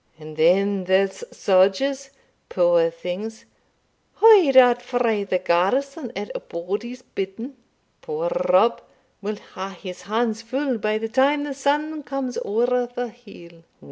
And then there's sodgers, puir things, hoyed out frae the garrison at a' body's bidding Puir Rob will hae his hands fu' by the time the sun comes ower the hill.